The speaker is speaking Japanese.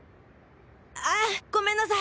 あごめんなさい。